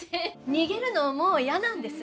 逃げるのもう嫌なんです。